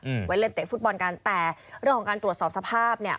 ไว้เล่นเตะฟุตบอลกันแต่เรื่องของการตรวจสอบสภาพเนี้ย